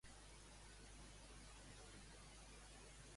I en històries més recents i en el folklore?